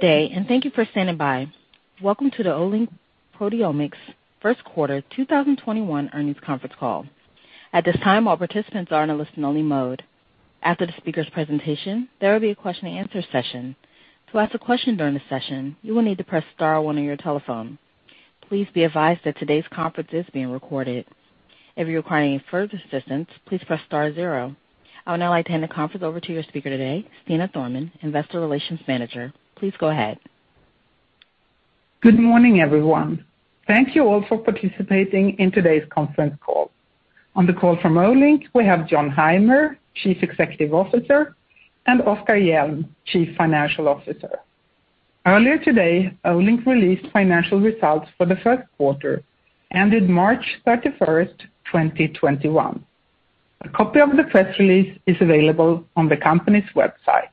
Today, and thank you for standing by. Welcome to the Olink Proteomics first quarter 2021 earnings conference call. At this time all participants are on listening only mode. As the speakers presentation, there will be Q&A session. To ask a question on the session, you would need to press star one on your telephone. Please be advised that today's conference is being recorded. If you require any further assistance please press star zero. I'll now hand the conference over to your speaker today, Stina Thorman, Investor Relations Manager. Please go ahead. Good morning, everyone. Thank you all for participating in today's conference call. On the call from Olink, we have Jon Heimer, Chief Executive Officer, and Oskar Jern, Chief Financial Officer. Earlier today, Olink released financial results for the first quarter, ending March 31st, 2021. A copy of the press release is available on the company's website.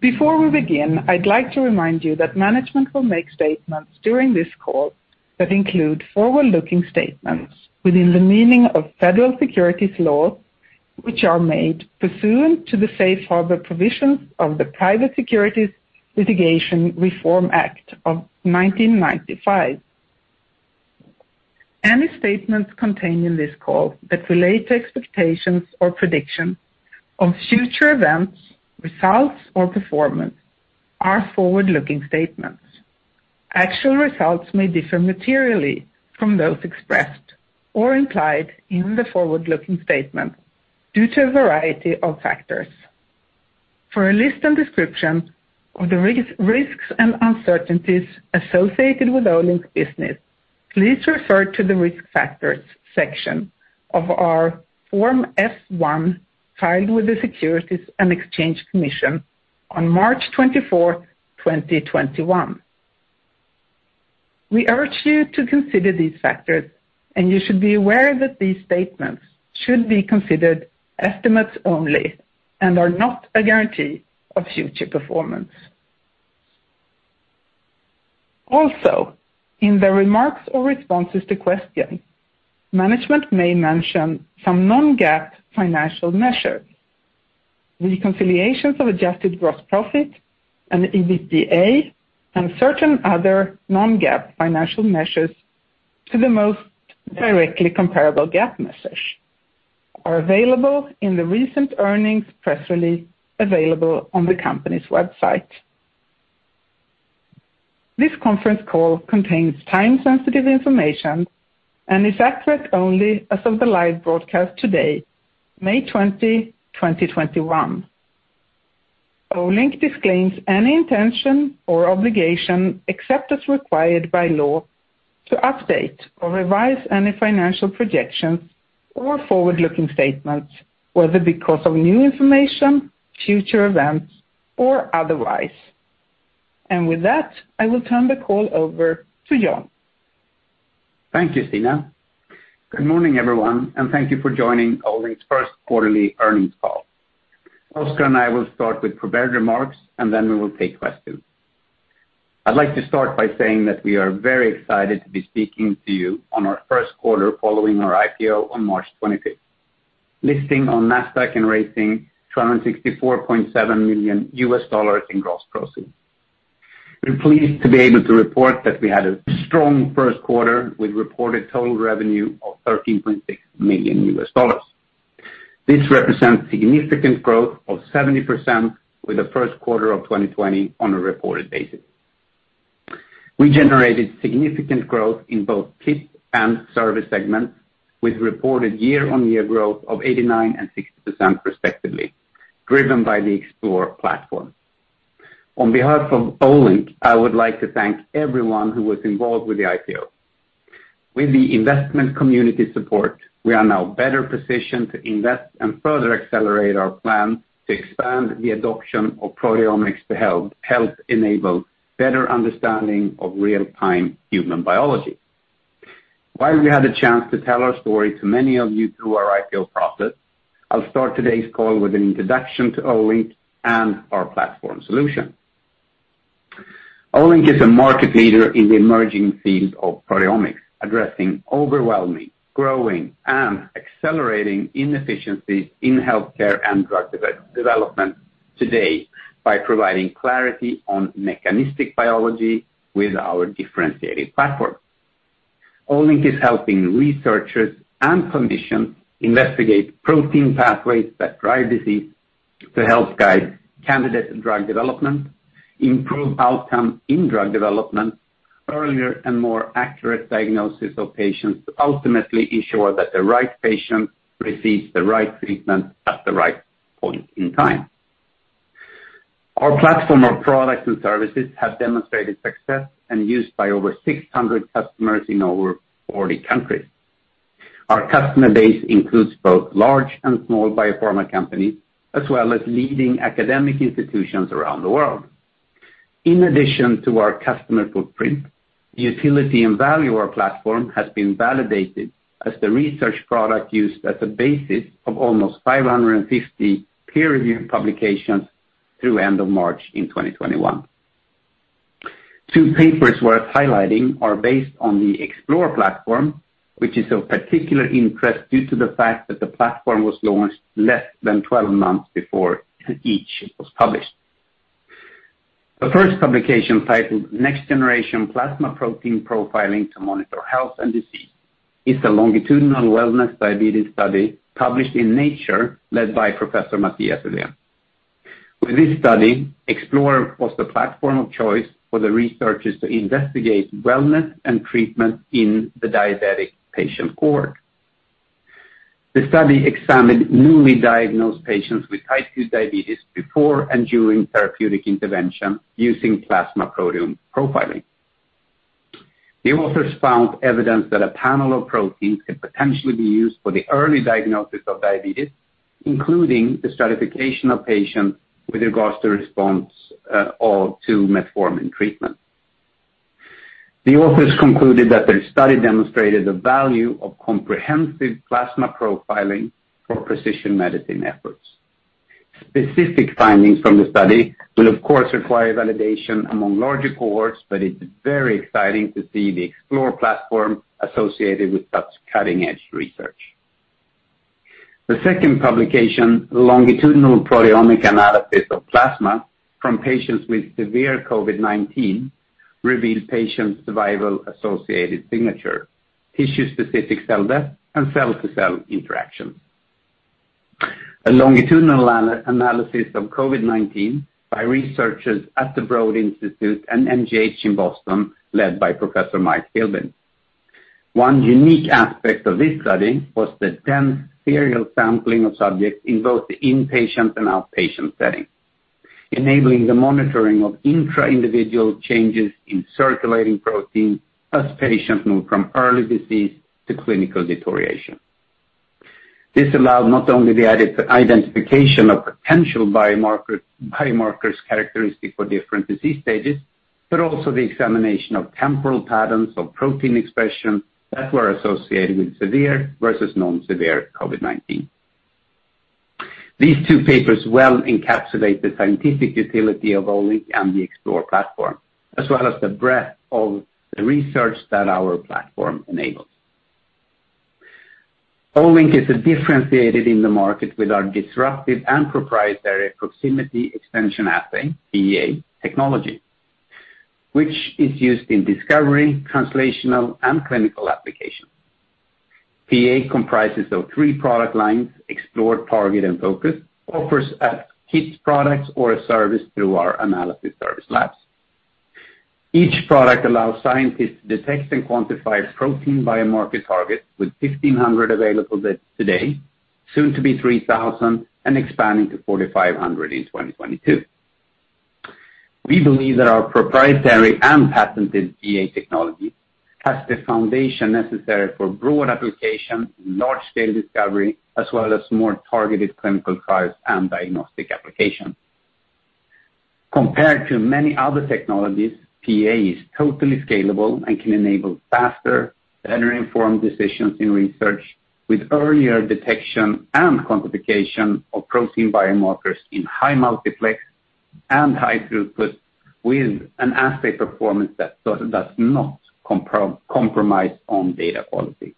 Before we begin, I'd like to remind you that management will make statements during this call that include forward-looking statements within the meaning of federal securities laws, which are made pursuant to the safe harbor provisions of the Private Securities Litigation Reform Act of 1995. Any statements contained in this call that relate to expectations or predictions of future events, results or performance are forward-looking statements. Actual results may differ materially from those expressed or implied in the forward-looking statement due to a variety of factors. For a list and description of the risks and uncertainties associated with Olink's business, please refer to the Risk Factors section of our Form F-1, filed with the Securities and Exchange Commission on March 24, 2021. You should be aware that these statements should be considered estimates only and are not a guarantee of future performance. In the remarks or responses to questions, management may mention some non-GAAP financial measures. Reconciliations of adjusted gross profit and EBITDA and certain other non-GAAP financial measures to the most directly comparable GAAP measures are available in the recent earnings press release available on the company's website. This conference call contains time-sensitive information and is accurate only as of the live broadcast today, May 20, 2021. Olink disclaims any intention or obligation, except as required by law, to update or revise any financial projections or forward-looking statements, whether because of new information, future events, or otherwise. With that, I will turn the call over to Jon. Thank you, Stina. Good morning, everyone, and thank you for joining Olink's first quarterly earnings call. Oskar and I will start with prepared remarks, and then we will take questions. I'd like to start by saying that we are very excited to be speaking to you on our first quarter following our IPO on March 25th, listing on Nasdaq and raising $264.7 million in gross proceeds. We're pleased to be able to report that we had a strong first quarter with reported total revenue of $13.6 million. This represents significant growth of 70% with the first quarter of 2020 on a reported basis. We generated significant growth in both kits and service segments, with reported year-on-year growth of 89% and 60% respectively, driven by the Explore platform. On behalf of Olink, I would like to thank everyone who was involved with the IPO. With the investment community support, we are now better positioned to invest and further accelerate our plans to expand the adoption of proteomics to help enable better understanding of real-time human biology. While we had a chance to tell our story to many of you through our IPO process, I'll start today's call with an introduction to Olink and our platform solution. Olink is a market leader in the emerging field of proteomics, addressing overwhelming, growing, and accelerating inefficiencies in healthcare and drug development today by providing clarity on mechanistic biology with our differentiated platform. Olink is helping researchers and clinicians investigate protein pathways that drive disease to help guide candidate drug development, improve outcomes in drug development, earlier and more accurate diagnosis of patients to ultimately ensure that the right patient receives the right treatment at the right point in time. Our platform of products and services have demonstrated success and used by over 600 customers in over 40 countries. Our customer base includes both large and small biopharma companies, as well as leading academic institutions around the world. In addition to our customer footprint, the utility and value of our platform has been validated as the research product used as the basis of almost 550 peer-reviewed publications through end of March in 2021. Two papers worth highlighting are based on the Explore platform, which is of particular interest due to the fact that the platform was launched less than 12 months before each was published. The first publication, titled "Next-Generation Plasma Protein Profiling to Monitor Health and Disease," is a longitudinal wellness diabetes study published in "Nature" led by Professor Mathias Uhlén. With this study, Explore was the platform of choice for the researchers to investigate wellness and treatment in the diabetic patient cohort. The study examined newly diagnosed patients with Type 2 diabetes before and during therapeutic intervention using plasma proteome profiling. The authors found evidence that a panel of proteins could potentially be used for the early diagnosis of diabetes, including the stratification of patients with regards to response to metformin treatment. The authors concluded that their study demonstrated the value of comprehensive plasma profiling for precision medicine efforts. Specific findings from the study will, of course, require validation among larger cohorts, but it's very exciting to see the Explore platform associated with such cutting-edge research. The second publication, "Longitudinal proteomic analysis of plasma from patients with severe COVID-19 reveals patient survival associated signature, tissue-specific cell death, and cell-to-cell interactions." A longitudinal analysis of COVID-19 by researchers at the Broad Institute and MGH in Boston, led by Professor Mike Filbin. One unique aspect of this study was the dense serial sampling of subjects in both the inpatient and outpatient setting, enabling the monitoring of intra-individual changes in circulating proteins as patients moved from early disease to clinical deterioration. This allowed not only the identification of potential biomarkers characteristic for different disease stages, but also the examination of temporal patterns of protein expression that were associated with severe versus non-severe COVID-19. These two papers well encapsulate the scientific utility of Olink and the Explore platform, as well as the breadth of the research that our platform enables. Olink is differentiated in the market with our disruptive and proprietary Proximity Extension Assay, PEA technology, which is used in discovery, translational, and clinical applications. PEA comprises of three product lines, Explore, Target, and Focus, offered as kits products or a service through our analytic service labs. Each product allows scientists to detect and quantify protein biomarker targets with 1,500 available today, soon to be 3,000, and expanding to 4,500 in 2022. We believe that our proprietary and patented PEA technology has the foundation necessary for broad application in large-scale discovery, as well as more targeted clinical trials and diagnostic applications. Compared to many other technologies, PEA is totally scalable and can enable faster, better-informed decisions in research with earlier detection and quantification of protein biomarkers in high multiplex and high throughput with an assay performance that does not compromise on data quality.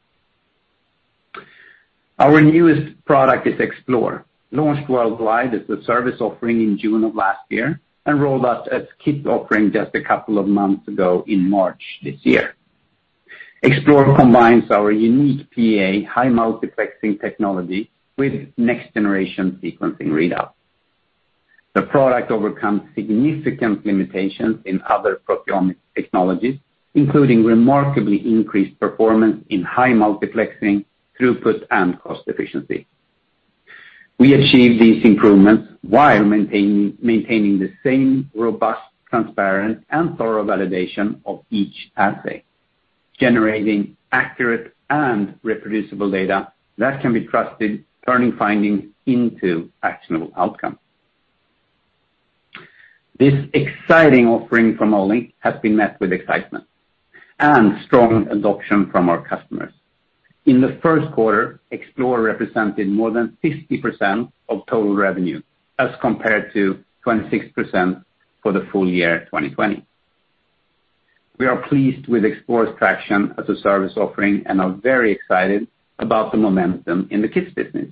Our newest product is Explore, launched worldwide as a service offering in June of last year and rolled out as a kit offering just a couple of months ago in March this year. Explore combines our unique PEA high multiplexing technology with Next-Generation Sequencing readout. The product overcomes significant limitations in other proteomic technologies, including remarkably increased performance in high multiplexing, throughput, and cost efficiency. We achieve these improvements while maintaining the same robust, transparent, and thorough validation of each assay, generating accurate and reproducible data that can be trusted, turning findings into actionable outcomes. This exciting offering from Olink has been met with excitement and strong adoption from our customers. In the first quarter, Explore represented more than 50% of total revenue, as compared to 26% for the full year 2020. We are pleased with Explore's traction as a service offering and are very excited about the momentum in the kits business.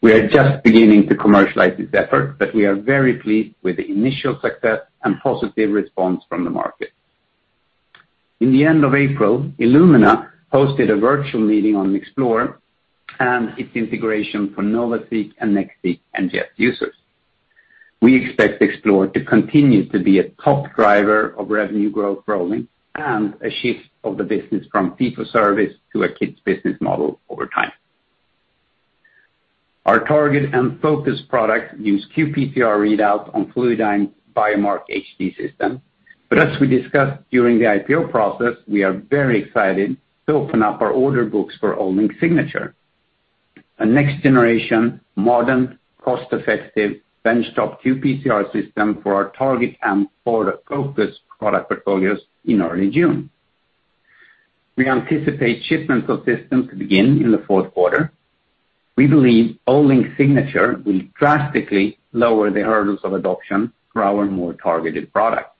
We are just beginning to commercialize this effort, but we are very pleased with the initial success and positive response from the market. In the end of April, Illumina hosted a virtual meeting on Explore and its integration for NovaSeq and NextSeq and JEFF users. We expect Explore to continue to be a top driver of revenue growth for Olink and a shift of the business from fee-for-service to a kits business model over time. Our Target and Focus products use qPCR readout on Fluidigm Biomark HD system. As we discussed during the IPO process, we are very excited to open up our order books for Olink Signature, a next-generation, modern, cost-effective benchtop qPCR system for our Target and for our Focus product portfolios in early June. We anticipate shipments of systems to begin in the fourth quarter. We believe Olink Signature will drastically lower the hurdles of adoption for our more targeted products.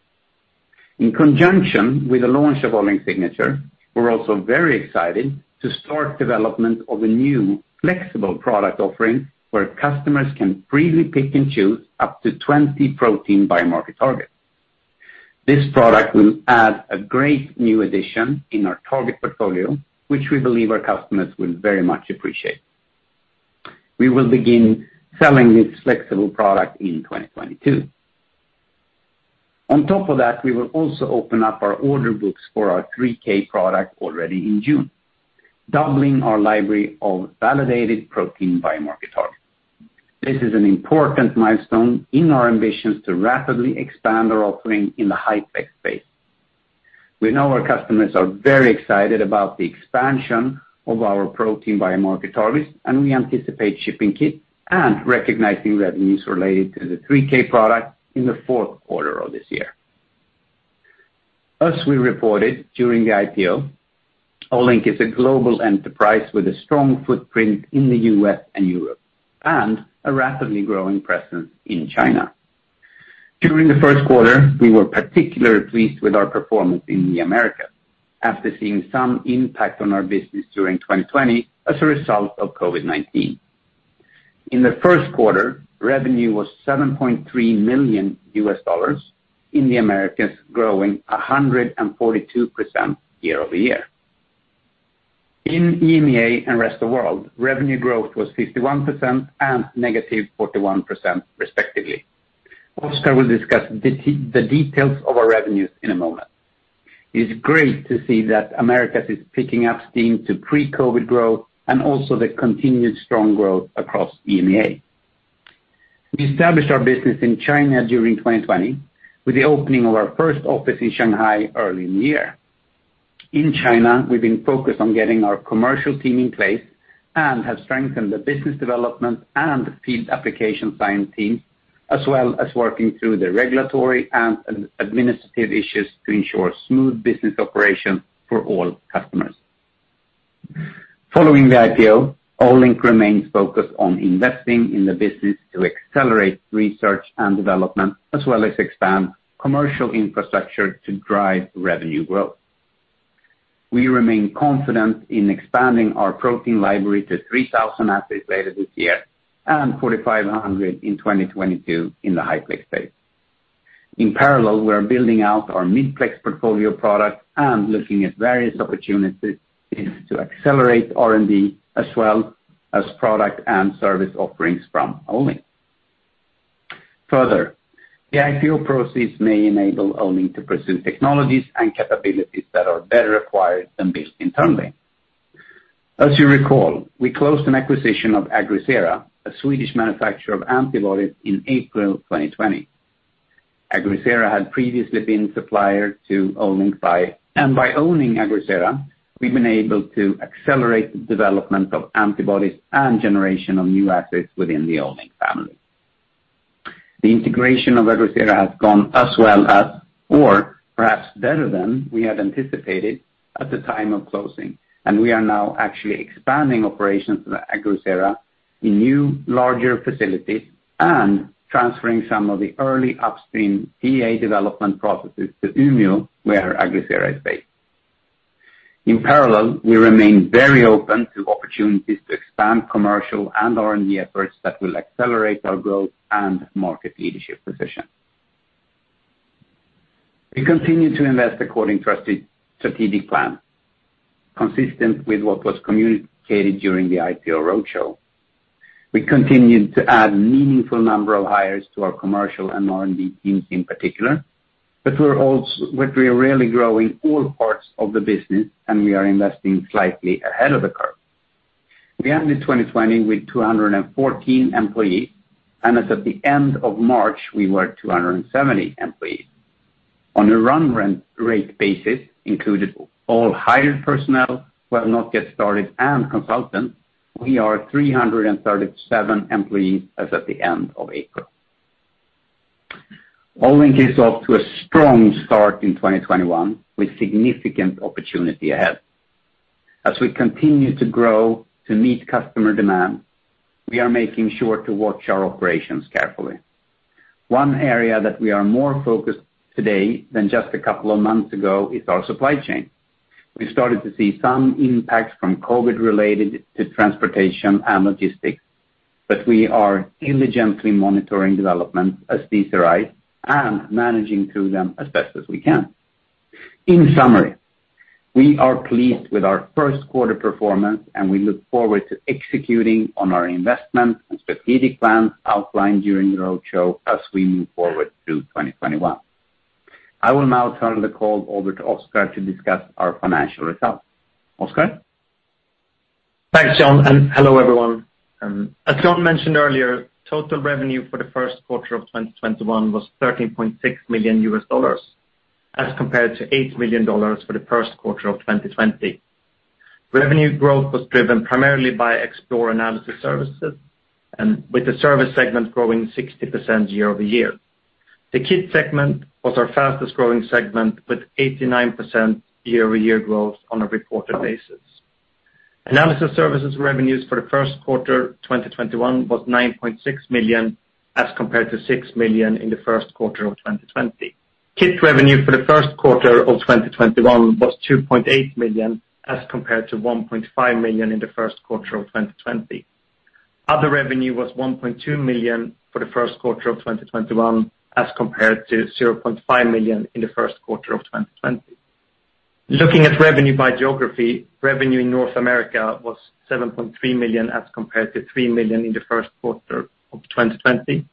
In conjunction with the launch of Olink Signature, we're also very excited to start development of a new flexible product offering where customers can freely pick and choose up to 20 protein biomarker targets. This product will add a great new addition in our Target portfolio, which we believe our customers will very much appreciate. We will begin selling this flexible product in 2022. On top of that, we will also open up our order books for our 3K product already in June, doubling our library of validated protein biomarker targets. This is an important milestone in our ambitions to rapidly expand our offering in the high-plex phase. We know our customers are very excited about the expansion of our protein biomarker targets, and we anticipate shipping kits and recognizing revenues related to the 3K product in the fourth quarter of this year. As we reported during the IPO, Olink is a global enterprise with a strong footprint in the U.S. and Europe, and a rapidly growing presence in China. During the first quarter, we were particularly pleased with our performance in the Americas after seeing some impact on our business during 2020 as a result of COVID-19. In the first quarter, revenue was $7.3 million in the Americas, growing 142% year-over-year. In EMEA and rest of world, revenue growth was 51% and negative 41%, respectively. Oskar will discuss the details of our revenues in a moment. It's great to see that Americas is picking up steam to pre-COVID growth and also the continued strong growth across EMEA. We established our business in China during 2020 with the opening of our first office in Shanghai early in the year. In China, we've been focused on getting our commercial team in place and have strengthened the business development and the field application science team, as well as working through the regulatory and administrative issues to ensure smooth business operations for all customers. Following the IPO, Olink remains focused on investing in the business to accelerate research and development, as well as expand commercial infrastructure to drive revenue growth. We remain confident in expanding our protein library to 3,000 assets later this year and 4,500 in 2022 in the high-plex phase. In parallel, we are building out our mid-plex portfolio product and looking at various opportunities to accelerate R&D as well as product and service offerings from Olink. The IPO proceeds may enable Olink to pursue technologies and capabilities that are better acquired than built internally. As you recall, we closed an acquisition of Agrisera, a Swedish manufacturer of antibodies in April 2020. Agrisera had previously been a supplier to Olink, and by owning Agrisera, we've been able to accelerate the development of antibodies and generation of new assets within the Olink family. The integration of Agrisera has gone as well as, or perhaps better than, we had anticipated at the time of closing, and we are now actually expanding operations for Agrisera in new, larger facilities and transferring some of the early upstream PEA development processes to Umeå, where Agrisera is based. In parallel, we remain very open to opportunities to expand commercial and R&D efforts that will accelerate our growth and market leadership position. We continue to invest according to our strategic plan, consistent with what was communicated during the IPO roadshow. We continued to add a meaningful number of hires to our commercial and R&D teams in particular, but we're really growing all parts of the business, and we are investing slightly ahead of the curve. We ended 2020 with 214 employees, and as at the end of March, we were 270 employees. On a run rate basis, included all hired personnel who have not yet started and consultants, we are 337 employees as at the end of April. Olink is off to a strong start in 2021 with significant opportunity ahead. As we continue to grow to meet customer demand, we are making sure to watch our operations carefully. One area that we are more focused today than just a couple of months ago is our supply chain. We've started to see some impacts from COVID related to transportation and logistics, but we are diligently monitoring developments as these arise and managing through them as best as we can. In summary, we are pleased with our first quarter performance, and we look forward to executing on our investment and strategic plans outlined during the roadshow as we move forward through 2021. I will now turn the call over to Oskar to discuss our financial results. Oskar? Thanks, Jon, and hello, everyone. As Jon mentioned earlier, total revenue for the first quarter of 2021 was $13.6 million as compared to $8 million for the first quarter of 2020. Revenue growth was driven primarily by Explore Analysis services, and with the service segment growing 60% year-over-year. The Kit segment was our fastest-growing segment, with 89% year-over-year growth on a reported basis. Analysis services revenues for the first quarter 2021 was $9.6 million, as compared to $6 million in the first quarter of 2020. Kit revenue for the first quarter of 2021 was $2.8 million, as compared to $1.5 million in the first quarter of 2020. Other revenue was $1.2 million for the first quarter of 2021, as compared to $0.5 million in the first quarter of 2020. Looking at revenue by geography, revenue in North America was $7.3 million, as compared to $3 million in the first quarter of 2020.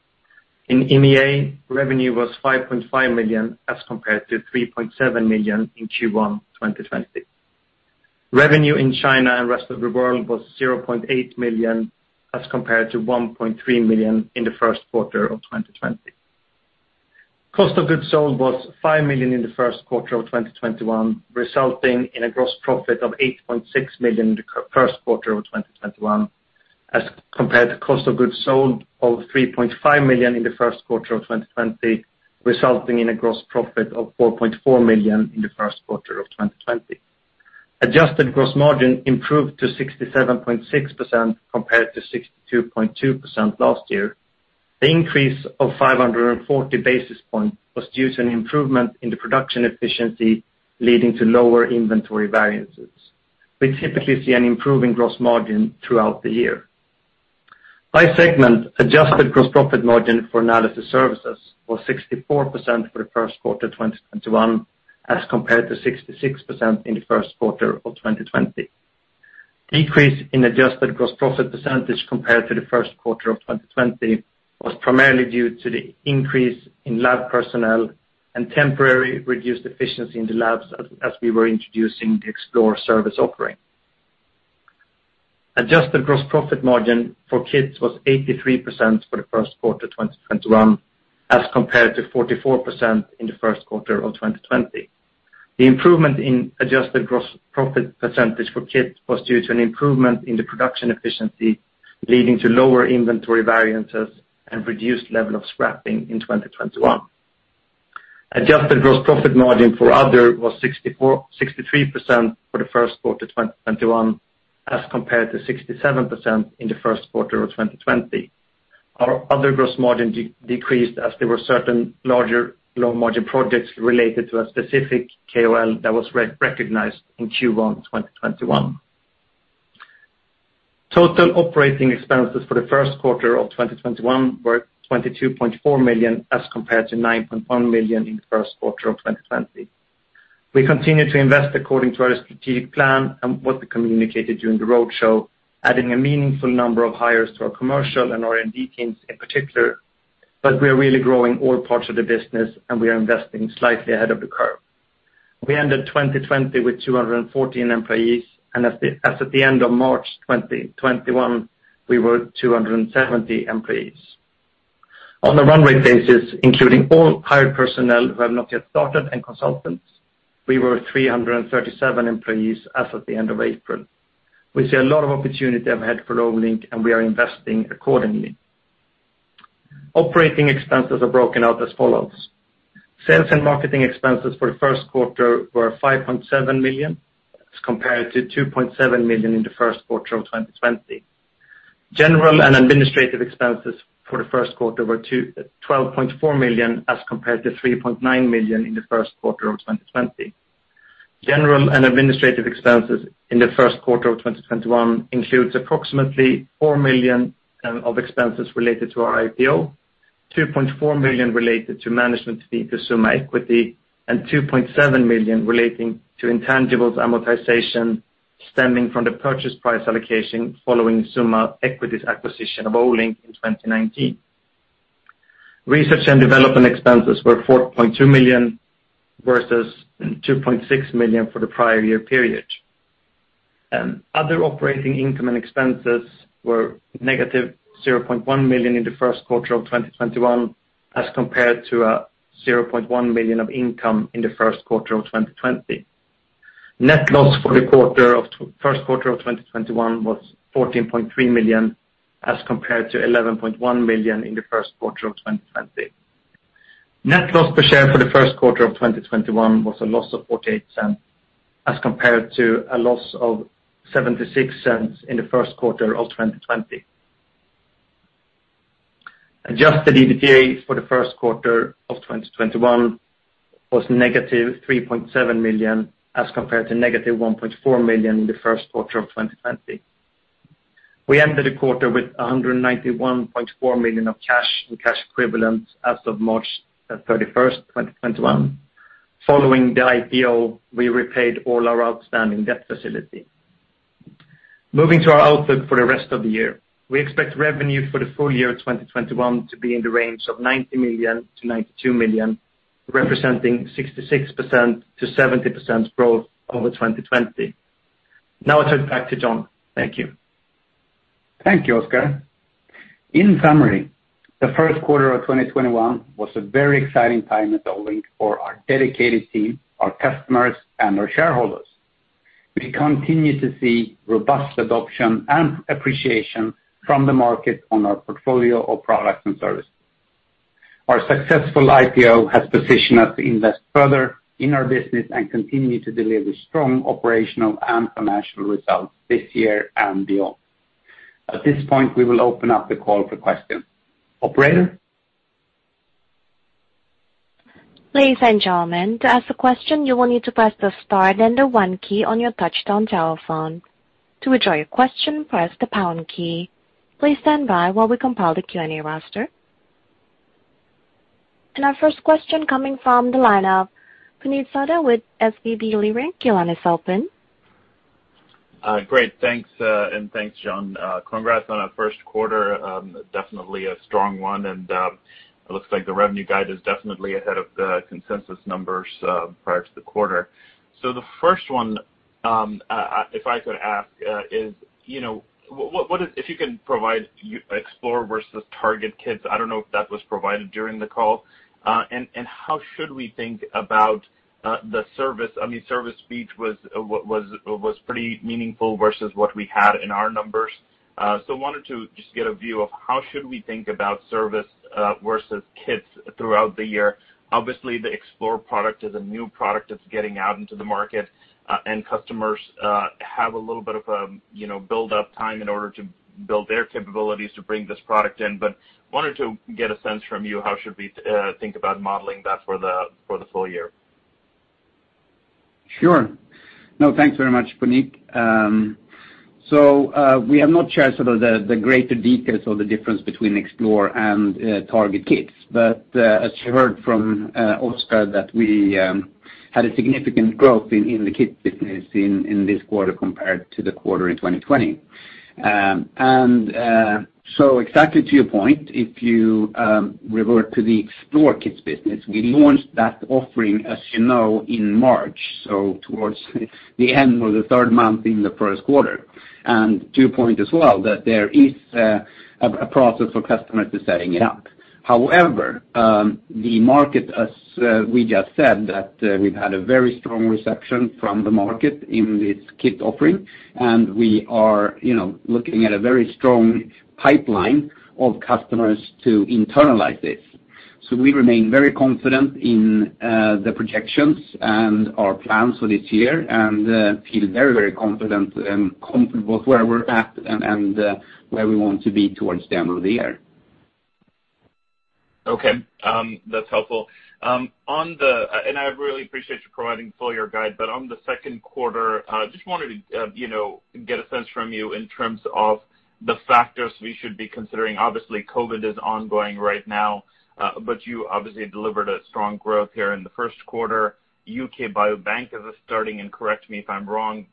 In EMEA, revenue was $5.5 million, as compared to $3.7 million in Q1 2020. Revenue in China and rest of the world was $0.8 million, as compared to $1.3 million in the first quarter of 2020. Cost of goods sold was $5 million in the first quarter of 2021, resulting in a gross profit of $8.6 million in the first quarter of 2021, as compared to cost of goods sold of $3.5 million in the first quarter of 2020, resulting in a gross profit of $4.4 million in the first quarter of 2020. Adjusted gross margin improved to 67.6% compared to 62.2% last year. The increase of 540 basis points was due to an improvement in the production efficiency, leading to lower inventory variances. We typically see an improving gross margin throughout the year. By segment, adjusted gross profit margin for analysis services was 64% for the first quarter of 2021 as compared to 66% in the first quarter of 2020. Decrease in adjusted gross profit percentage compared to the first quarter of 2020 was primarily due to the increase in lab personnel and temporary reduced efficiency in the labs as we were introducing the Explore service offering. Adjusted gross profit margin for Kits was 83% for the first quarter 2021 as compared to 44% in the first quarter of 2020. The improvement in adjusted gross profit percentage for Kits was due to an improvement in the production efficiency, leading to lower inventory variances and reduced level of scrapping in 2021. Adjusted gross profit margin for Other was 63% for the first quarter 2021 as compared to 67% in the first quarter of 2020. Our Other gross margin decreased as there were certain larger low-margin projects related to a specific KOL that was recognized in Q1 2021. Total operating expenses for the first quarter of 2021 were $22.4 million as compared to $9.1 million in the first quarter of 2020. We continue to invest according to our strategic plan and what we communicated during the roadshow, adding a meaningful number of hires to our commercial and R&D teams in particular. We are really growing all parts of the business, and we are investing slightly ahead of the curve. We ended 2020 with 214 employees, and as at the end of March 2021, we were 270 employees. On a run rate basis, including all hired personnel who have not yet started and consultants, we were 337 employees as at the end of April. We see a lot of opportunity ahead for Olink, and we are investing accordingly. Operating expenses are broken out as follows. Sales and marketing expenses for the first quarter were $5.7 million as compared to $2.7 million in the first quarter of 2020. General and administrative expenses for the first quarter were $12.4 million as compared to $3.9 million in the first quarter of 2020. General and administrative expenses in the first quarter of 2021 includes approximately $4 million of expenses related to our IPO, $2.4 million related to management fee to Summa Equity, and $2.7 million relating to intangibles amortization stemming from the purchase price allocation following Summa Equity's acquisition of Olink in 2019. Research and development expenses were $4.2 million versus $2.6 million for the prior year period. Other operating income and expenses were -$0.1 million in the first quarter of 2021 as compared to $0.1 million of income in the first quarter of 2020. Net loss for the first quarter of 2021 was $14.3 million as compared to $11.1 million in the first quarter of 2020. Net loss per share for the first quarter of 2021 was a loss of $0.48 as compared to a loss of $0.76 in the first quarter of 2020. Adjusted EBITDA for the first quarter of 2021 was -$3.7 million as compared to -$1.4 million in the first quarter of 2020. We ended the quarter with $191.4 million of cash and cash equivalents as of March 31st, 2021. Following the IPO, we repaid all our outstanding debt facility. Moving to our outlook for the rest of the year. We expect revenue for the full year 2021 to be in the range of $90 million-$92 million, representing 66%-70% growth over 2020. Now I turn it back to Jon. Thank you. Thank you, Oskar. In summary, the first quarter of 2021 was a very exciting time at Olink for our dedicated team, our customers, and our shareholders. We continue to see robust adoption and appreciation from the market on our portfolio of products and services. Our successful IPO has positioned us to invest further in our business and continue to deliver strong operational and financial results this year and beyond. At this point, we will open up the call for questions. Operator? Ladies and gentlemen, to ask a question, you will need to press the star then the one key on your touch-tone telephone. To withdraw your question, press the pound key. Please stand by while we compile the Q&A roster. Our first question coming from the line of Puneet Souda with SVB Leerink. Your line is open. Great. Thanks, and thanks, Jon. Congrats on that first quarter. Definitely a strong one. It looks like the revenue guide is definitely ahead of the consensus numbers prior to the quarter. The first one, if I could ask is, if you can provide Explore versus Target Kits. I don't know if that was provided during the call. How should we think about the service? Service piece was pretty meaningful versus what we had in our numbers. Wanted to just get a view of how should we think about service versus Kits throughout the year. Obviously, the Explore product is a new product that's getting out into the market. Customers have a little bit of a build-up time in order to build their capabilities to bring this product in. Wanted to get a sense from you, how should we think about modeling that for the full year? Sure. No, thanks very much, Puneet. We have not shared sort of the greater details of the difference between Explore and Target Kits, but as you heard from Oskar that we had a significant growth in the kit business in this quarter compared to the quarter in 2020. Exactly to your point, if you revert to the Explore Kit business, we launched that offering, as you know, in March, so towards the end of the third month in the first quarter. To your point as well, that there is a process for customers to setting up. However, the market, as we just said, that we've had a very strong reception from the market in this kit offering, and we are looking at a very strong pipeline of customers to internalize this. We remain very confident in the projections and our plans for this year, and feel very confident and comfortable with where we're at and where we want to be towards the end of the year. Okay. That's helpful. I really appreciate you providing the full-year guide, but on the second quarter, just wanted to get a sense from you in terms of the factors we should be considering. Obviously, COVID is ongoing right now. You obviously delivered a strong growth here in the first quarter. U.K. Biobank is starting, correct me if I'm wrong,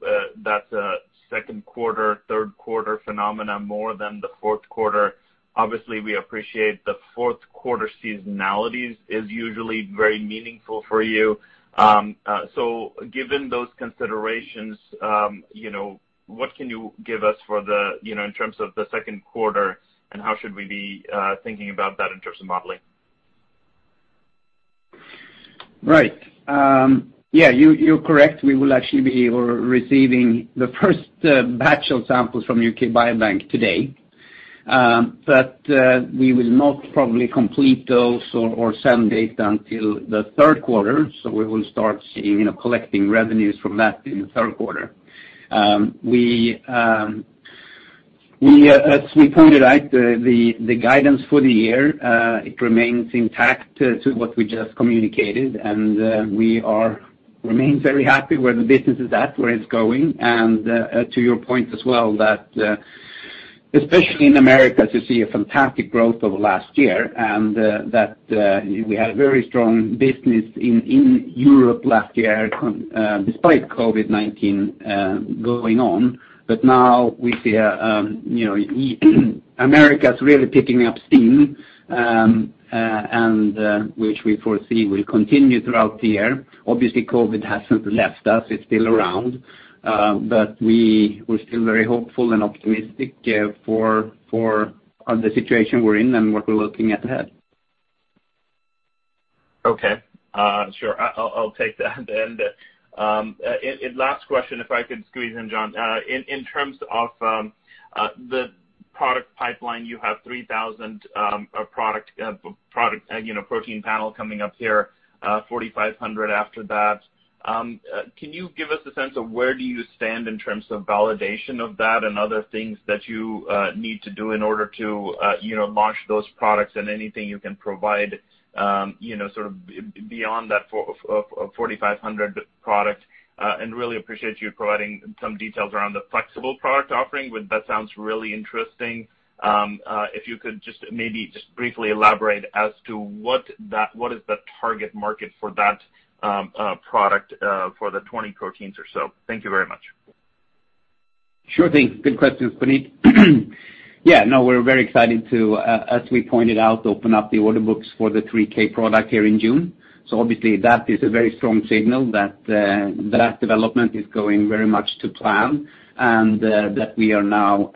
that's a second quarter, third quarter phenomenon more than the fourth quarter. Obviously, we appreciate the fourth quarter seasonality is usually very meaningful for you. Given those considerations, what can you give us in terms of the second quarter, and how should we be thinking about that in terms of modeling? Right. Yeah, you're correct. We will actually be receiving the first batch of samples from U.K. Biobank today. We will not probably complete those or send data until the third quarter. We will start seeing a collective revenues from that in the third quarter. As we pointed out, the guidance for the year, it remains intact to what we just communicated, and we remain very happy where the business is at, where it's going. To your point as well, that especially in America, to see a fantastic growth over last year and that we had very strong business in Europe last year despite COVID-19 going on. Now we see America's really picking up steam, and which we foresee will continue throughout the year. Obviously, COVID hasn't left us. It's still around. We're still very hopeful and optimistic on the situation we're in and what we're looking at ahead. Okay. Sure. I'll take that. Last question, if I could squeeze in, Jon. In terms of the product pipeline, you have 3,000 product protein panel coming up here, 4,500 after that. Can you give us a sense of where do you stand in terms of validation of that and other things that you need to do in order to launch those products and anything you can provide sort of beyond that 4,500 product? Really appreciate you providing some details around the flexible product offering. That sounds really interesting. If you could just briefly elaborate as to what is the target market for that product for the 20 proteins or so. Thank you very much. Sure thing. Good question, Puneet. We're very excited to, as we pointed out, open up the order books for the 3K product here in June. Obviously that is a very strong signal that the development is going very much to plan, and that we are now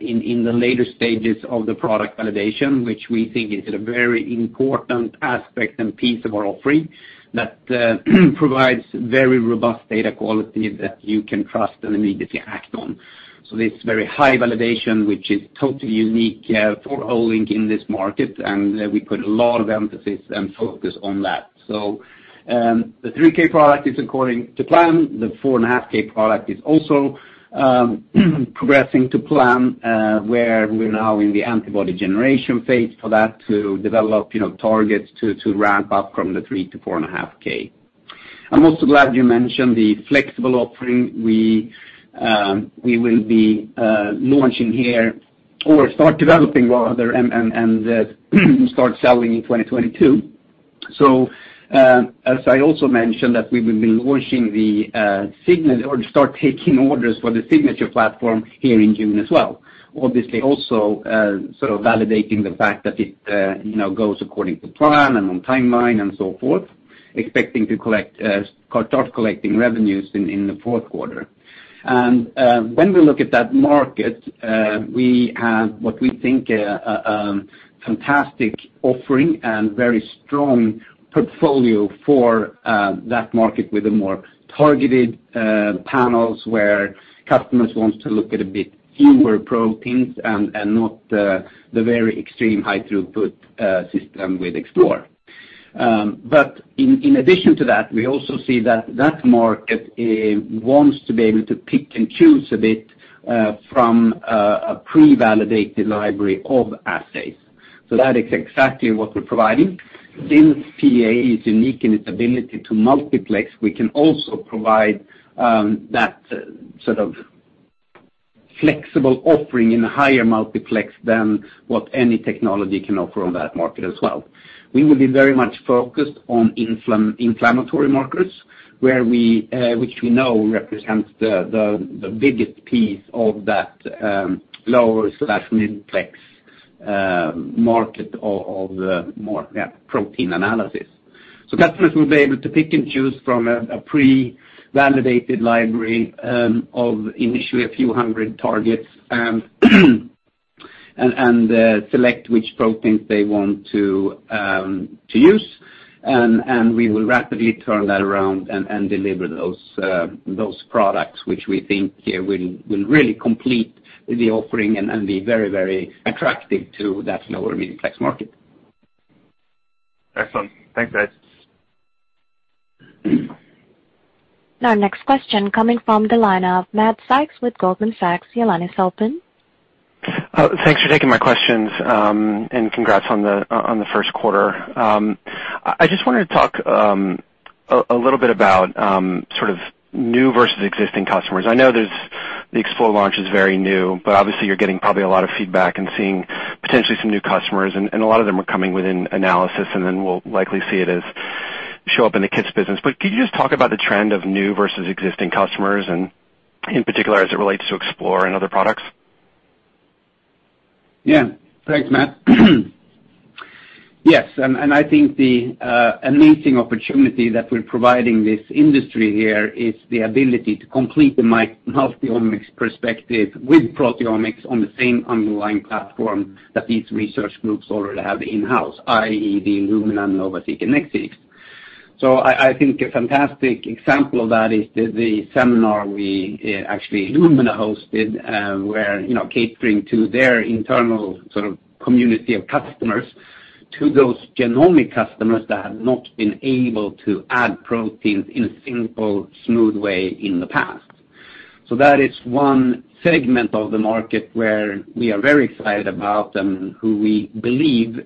in the later stages of the product validation, which we think is a very important aspect and piece of our offering that provides very robust data quality that you can trust and immediately act on. This very high validation, which is totally unique for Olink in this market, and we put a lot of emphasis and focus on that. The 3K product is according to plan. The 4.5K product is also progressing to plan, where we're now in the antibody generation phase for that to develop targets to ramp up from the 3 to 4.5K. I'm also glad you mentioned the flexible offering we will be launching here or start developing rather, and start selling in 2022. As I also mentioned that we will be launching the Signature or start taking orders for the Signature platform here in June as well, obviously also sort of validating the fact that it goes according to plan and on timeline and so forth, expecting to start collecting revenues in the fourth quarter. When we look at that market, we have what we think a fantastic offering and very strong portfolio for that market with the more targeted panels where customers want to look at a bit fewer proteins and not the very extreme high throughput system with Explore. In addition to that, we also see that that market wants to be able to pick and choose a bit from a pre-validated library of assays. That is exactly what we're providing. Since PEA is unique in its ability to multiplex, we can also provide that sort of flexible offering in a higher multiplex than what any technology can offer on that market as well. We will be very much focused on inflammatory markets, which we know represents the biggest piece of that lower-multiplex market of protein analysis. Customers will be able to pick and choose from a pre-validated library of initially a few hundred targets and select which proteins they want to use, and we will rapidly turn that around and deliver those products, which we think will really complete the offering and be very attractive to that lower-multiplex market. Excellent. Thanks, guys. Our next question coming from the line of Matthew Sykes with Goldman Sachs. Your line is open. Thanks for taking my questions, and congrats on the first quarter. I just wanted to talk a little bit about sort of new versus existing customers. I know the Explore launch is very new, but obviously you're getting probably a lot of feedback and seeing potentially some new customers, and a lot of them are coming within analysis, and then we'll likely see it as show up in the Kits business. Could you just talk about the trend of new versus existing customers, and in particular, as it relates to Explore and other products? Thanks, Matt. I think the amazing opportunity that we're providing this industry here is the ability to complete the multi-omics perspective with proteomics on the same underlying platform that these research groups already have in-house, i.e., the Illumina NovaSeq. I think a fantastic example of that is the seminar Illumina hosted, where, catering to their internal sort of community of customers, to those genomic customers that have not been able to add proteins in a simple, smooth way in the past. That is one segment of the market where we are very excited about and who we believe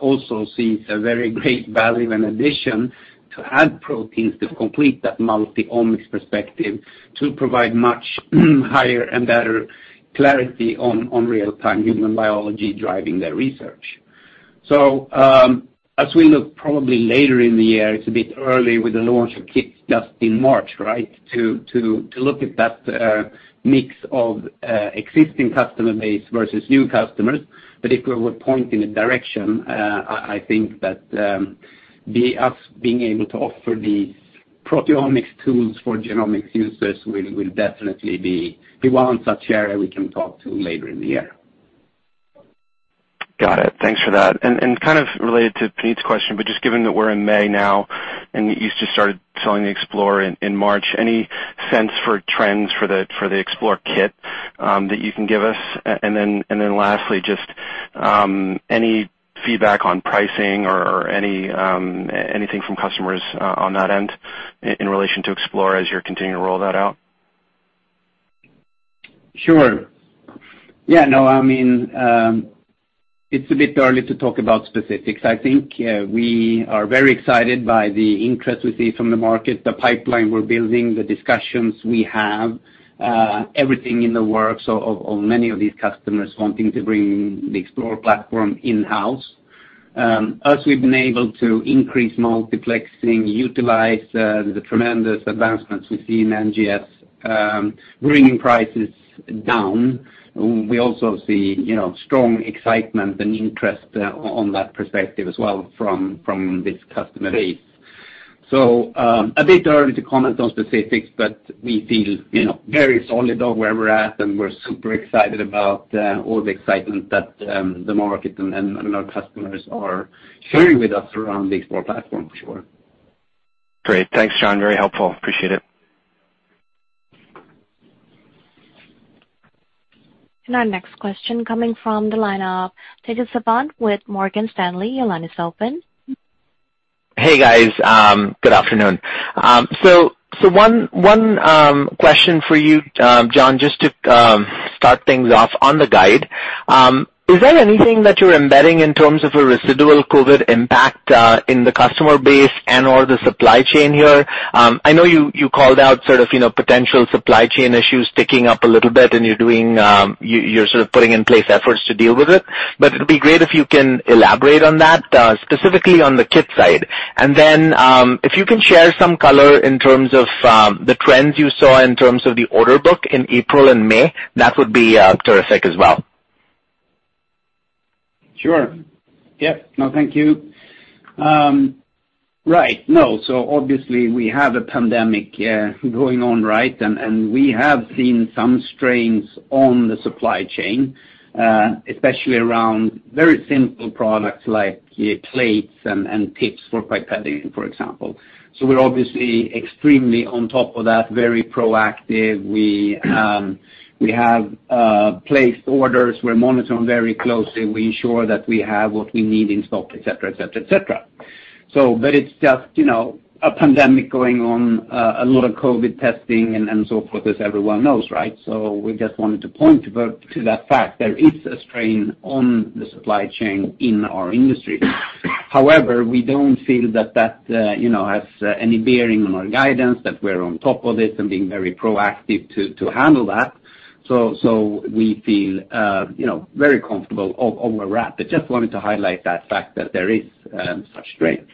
also sees a very great value and addition to add proteins to complete that multi-omics perspective to provide much higher and better clarity on real-time human biology driving their research. As we look probably later in the year, it's a bit early with the launch of kits just in March, right, to look at that mix of existing customer base versus new customers. If we're pointing a direction, I think that us being able to offer these proteomics tools for genomics users will definitely be one such area we can talk to later in the year. Got it. Thanks for that. Kind of related to Puneet's question, just given that we're in May now and you used to start selling Explore in March, any sense for trends for the Explore Kit that you can give us? Then lastly, just any feedback on pricing or anything from customers on that end in relation to Explore as you're continuing to roll that out? Sure. Yeah, no, I mean, it's a bit early to talk about specifics. I think we are very excited by the interest we see from the market, the pipeline we're building, the discussions we have, everything in the works of many of these customers wanting to bring the Explore platform in-house. As we've been able to increase multiplexing, utilize the tremendous advancements we've seen in NGS, bringing prices down. We also see strong excitement and interest on that perspective as well from this customer base. A bit early to comment on specifics, but we feel very solid about where we're at, and we're super excited about all the excitement that the market and our customers are sharing with us around the Explore platform. Sure. Great. Thanks, Jon. Very helpful. Appreciate it. Our next question coming from the line of Tejas Savant with Morgan Stanley, your line is open. Hey, guys. Good afternoon. One question for you, Jon, just to start things off on the guide. Is there anything that you're embedding in terms of a residual COVID impact in the customer base and/or the supply chain here? I know you called out potential supply chain issues ticking up a little bit, and you're sort of putting in place efforts to deal with it. It'd be great if you can elaborate on that, specifically on the chip side. If you can share some color in terms of the trends you saw in terms of the order book in April and May, that would be terrific as well. Sure. Yeah. No, thank you. Right. Obviously we have a pandemic going on, right? We have seen some strains on the supply chain, especially around very simple products like plates and tips for pipetting, for example. We're obviously extremely on top of that, very proactive. We have placed orders. We're monitoring very closely. We ensure that we have what we need in stock, et cetera. It's just a pandemic going on, a lot of COVID testing, and so forth, as everyone knows, right? We just wanted to point to that fact there is a strain on the supply chain in our industry. However, we don't feel that that has any bearing on our guidance, that we're on top of it and being very proactive to handle that. We feel very comfortable where we're at, but just wanted to highlight that fact that there is such strain.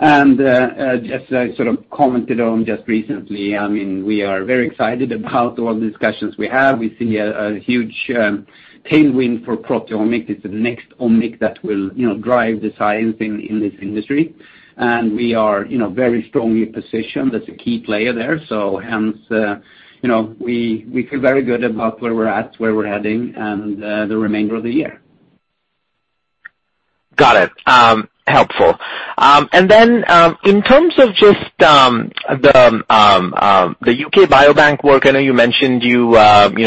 Tejas, I commented on just recently, we are very excited about all the discussions we have. We see a huge tailwind for proteomics, the next omic that will drive the science in this industry. We are very strongly positioned as a key player there. Hence, we feel very good about where we're at, where we're heading, and the remainder of the year. Got it. Helpful. In terms of just the U.K. Biobank work, I know you mentioned you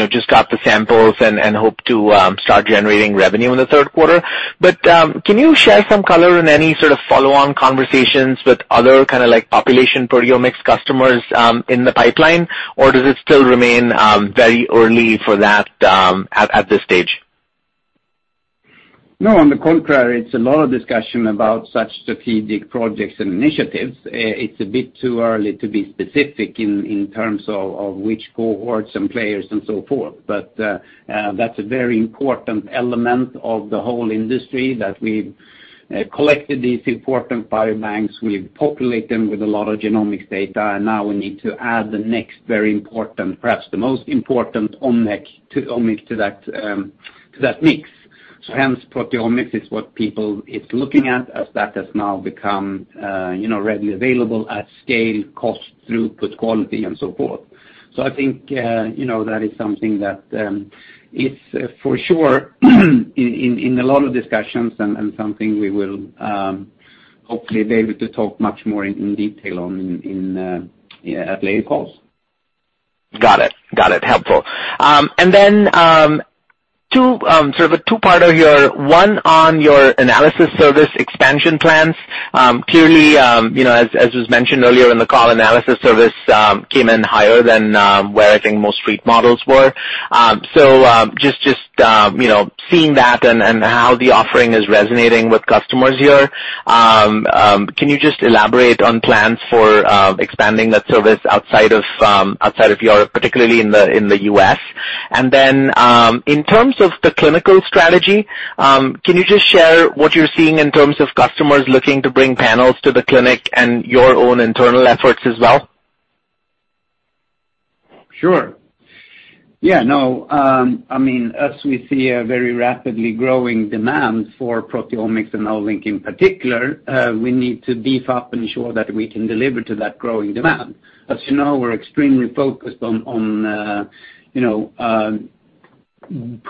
just got the samples and hope to start generating revenue in the third quarter. Can you share some color on any sort of follow-on conversations with other population proteomics customers in the pipeline, or does it still remain very early for that at this stage? No, on the contrary, it's a lot of discussion about such strategic projects and initiatives. It's a bit too early to be specific in terms of which cohorts and players and so forth. That's a very important element of the whole industry, that we've collected these important biobanks. We populate them with a lot of genomics data, now we need to add the next very important, perhaps the most important omic to that mix. Hence, proteomics is what people is looking at as that has now become readily available at scale, cost, throughput, quality, and so forth. I think that is something that is for sure in a lot of discussions and something we will hopefully be able to talk much more in detail on in later calls. Got it. Helpful. Then, sort of a two-parter here. One on your analysis service expansion plans. Clearly, as was mentioned earlier in the call, analysis service came in higher than where I think most street models were. Just seeing that and how the offering is resonating with customers here, can you just elaborate on plans for expanding that service outside of Europe, particularly in the U.S.? Then, in terms of the clinical strategy, can you just share what you're seeing in terms of customers looking to bring panels to the clinic and your own internal efforts as well? Sure. Yeah, no. As we see a very rapidly growing demand for proteomics and Olink in particular, we need to beef up and ensure that we can deliver to that growing demand. As you know, we're extremely focused on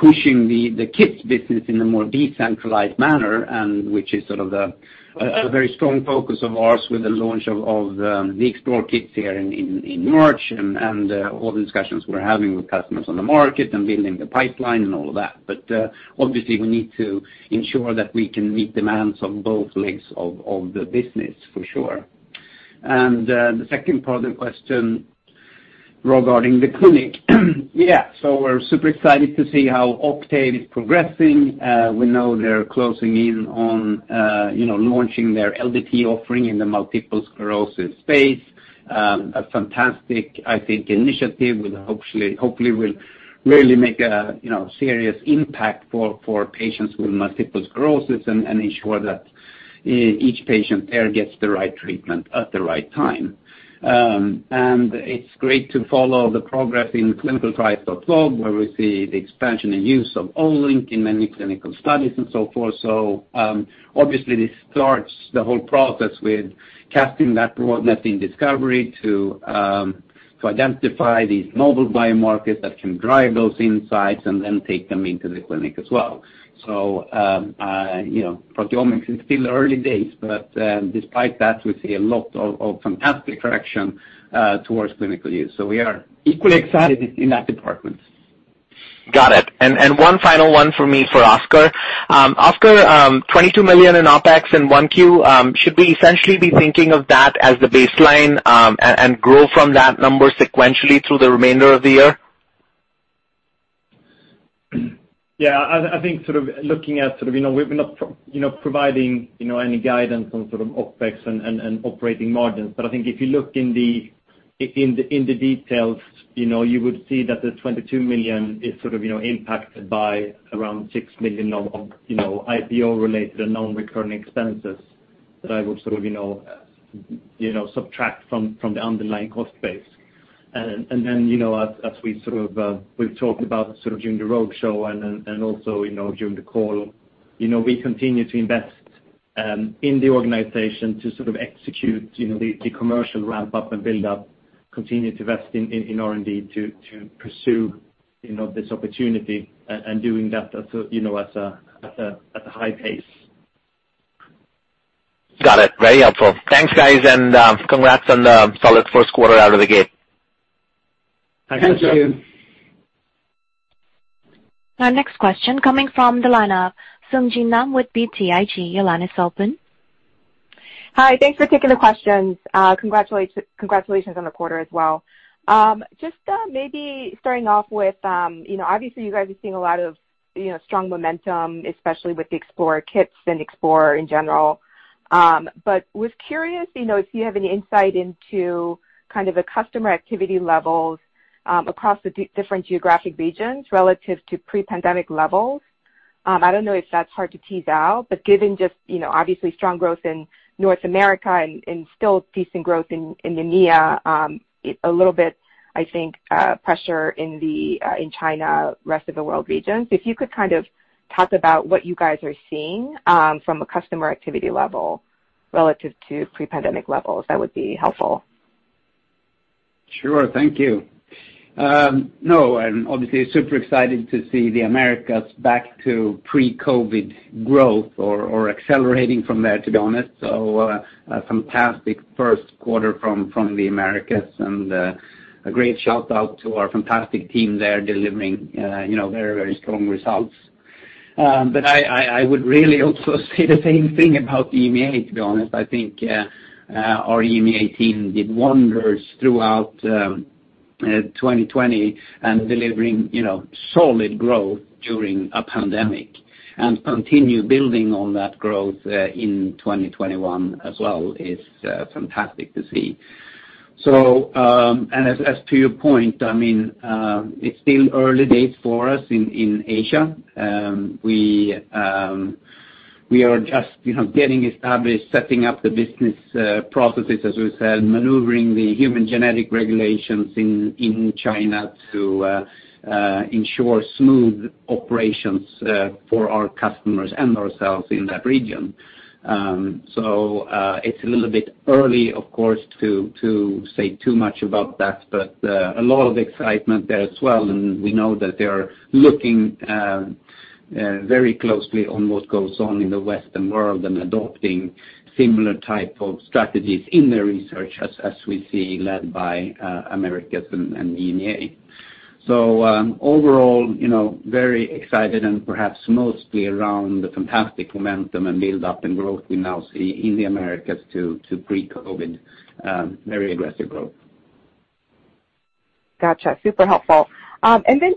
pushing the kits business in a more decentralized manner, which is sort of a very strong focus of ours with the launch of the Olink Explore here in March, and all the discussions we're having with customers on the market and building the pipeline and all that. Obviously, we need to ensure that we can meet demands on both legs of the business for sure. The second part of the question regarding the clinic. Yeah. We're super excited to see how Octave is progressing. We know they're closing in on launching their LDT offering in the multiple sclerosis space. A fantastic, I think, initiative, which hopefully will really make a serious impact for patients with multiple sclerosis and ensure that each patient there gets the right treatment at the right time. It's great to follow the progress in the ClinicalTrials.gov, where we see the expansion and use of Olink in many clinical studies and so forth. Obviously, this starts the whole process with capturing that roadmap in discovery to identify these novel biomarkers that can drive those insights and then take them into the clinic as well. Proteomics, it's still early days, but despite that, we see a lot of fantastic traction towards clinical use. We are equally excited in that department. Got it. One final one for me for Oskar. Oskar, $22 million in OpEx in 1Q, should we essentially be thinking of that as the baseline and grow from that number sequentially through the remainder of the year? Yeah, I think sort of looking at, we've not provided any guidance on sort of OpEx and operating margins. I think if you look in the details, you would see that the $22 million is sort of impacted by around $6 million of IPO-related and non-recurring expenses that I would sort of subtract from the underlying cost base. As we've talked about sort of during the roadshow and also during the call, we continue to invest in the organization to sort of execute the commercial ramp-up and build-up, continue to invest in R&D to pursue this opportunity, and doing that at a high pace. Got it. Very helpful. Thanks, guys, and congrats on the solid first quarter out of the gate. Thanks, Tejas. Thank you. Our next question coming from the line of Sung Ji Nam with BTIG. Your line is open. Hi, thanks for taking the questions. Congratulations on the quarter as well. Just maybe starting off with, obviously you guys are seeing a lot of strong momentum, especially with Explore Kits and Explore in general. Was curious if you have any insight into kind of the customer activity levels across the different geographic regions relative to pre-pandemic levels. I don't know if that's hard to tease out, but given just obviously strong growth in North America and still decent growth in EMEA, a little bit, I think, pressure in China, rest of the world regions. If you could kind of talk about what you guys are seeing from a customer activity level relative to pre-pandemic levels, that would be helpful. Thank you. Obviously super excited to see the Americas back to pre-COVID growth or accelerating from there, to be honest. A fantastic first quarter from the Americas and a great shout-out to our fantastic team there delivering very strong results. I would really also say the same thing about EMEA, to be honest. I think our EMEA team did wonders throughout 2020 and delivering solid growth during a pandemic and continue building on that growth in 2021 as well is fantastic to see. As to your point, I mean, it's still early days for us in Asia. We are just getting established, setting up the business processes, as we said, maneuvering the human genetic regulations in China to ensure smooth operations for our customers and ourselves in that region. It's a little bit early, of course, to say too much about that, but a lot of excitement there as well. We know that they're looking very closely on what goes on in the Western world and adopting similar type of strategies in their research as we see led by Americas and EMEA. Overall, very excited and perhaps mostly around the fantastic momentum and build-up and growth we now see in the Americas to pre-COVID. Very aggressive growth. Got you. Super helpful.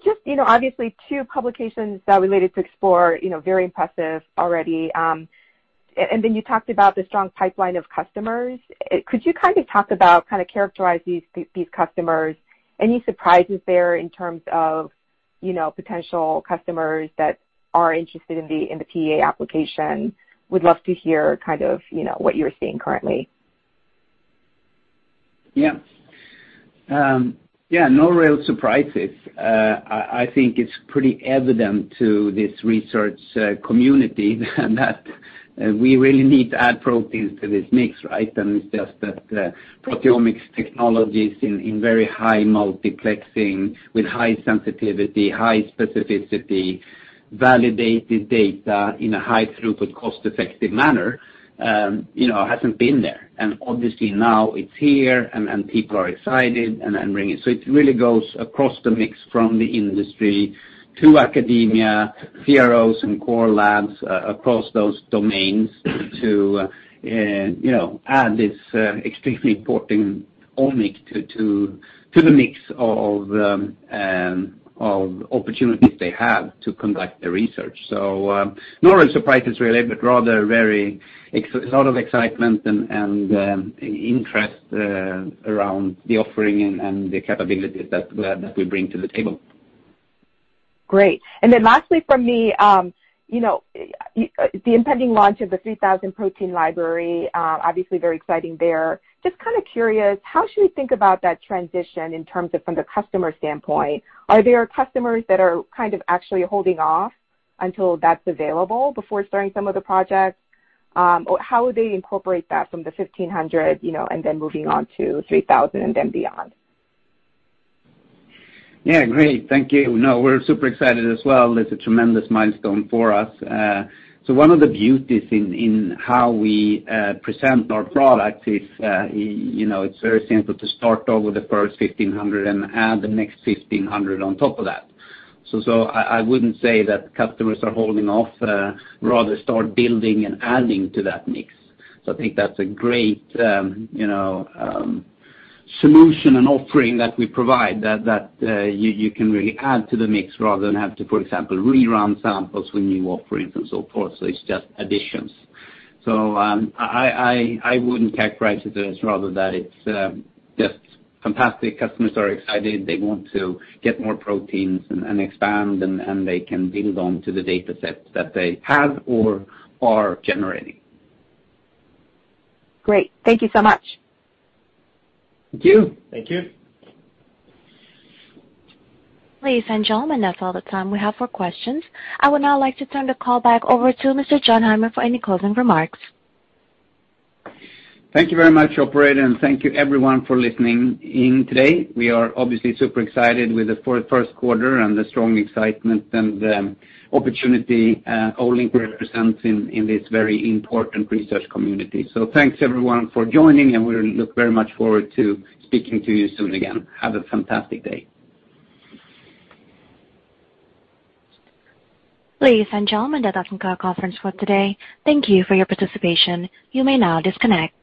Just obviously two publications related to Explore, very impressive already. You talked about the strong pipeline of customers. Could you characterize these customers? Any surprises there in terms of potential customers that are interested in the PEA application? Would love to hear kind of what you're seeing currently. Yeah. No real surprises. I think it's pretty evident to this research community that we really need to add proteins to this mix, right? It's just that proteomics technologies in very high multiplexing with high sensitivity, high specificity, validated data in a high throughput, cost-effective manner hasn't been there. Obviously now it's here, and people are excited and bringing. It really goes across the mix from the industry to academia, CROs, and core labs across those domains to add this extremely important omic to the mix of opportunities they have to conduct their research. No surprises really, but rather a lot of excitement and interest around the offering and the capabilities that we bring to the table. Great. Lastly from me, the impending launch of the 3,000 protein library, obviously very exciting there. Just curious, how should we think about that transition in terms of from the customer standpoint? Are there customers that are actually holding off until that's available before starting some of the projects? How would they incorporate that from the 1,500 and then moving on to 3,000 and then beyond? Yeah. Great. Thank you. We're super excited as well. It's a tremendous milestone for us. One of the beauties in how we present our product is, it's very simple to start over the first 1,500 and add the next 1,500 on top of that. I wouldn't say that customers are holding off. Rather, start building and adding to that mix. I think that's a great solution and offering that we provide that you can really add to the mix rather than have to, for example, rerun samples for new offerings and so forth. It's just additions. I wouldn't characterize it as rather that. It's just fantastic. Customers are excited. They want to get more proteins and expand, and they can build onto the data sets that they have or are generating. Great. Thank you so much. Thank you. Ladies and gentlemen, that is all the time we have for questions. I would now like to turn the call back over to Mr. Jon Heimer for any closing remarks. Thank you very much, operator. Thank you everyone for listening in today. We are obviously super excited with the first quarter and the strong excitement and opportunity Olink represents in this very important research community. Thanks everyone for joining. We look very much forward to speaking to you soon again. Have a fantastic day. Ladies and gentlemen, that concludes our conference for today. Thank you for your participation. You may now disconnect.